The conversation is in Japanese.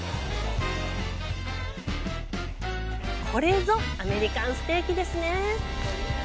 これぞアメリカンステーキですね。